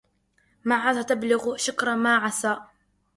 ما عسى تبلغ شكراً ما عسى